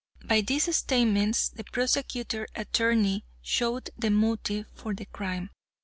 By these statements the prosecuting attorney showed the motive for the crime.